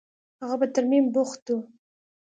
هغه په ترميم بوخت و.